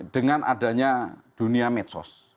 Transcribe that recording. dengan adanya dunia medsos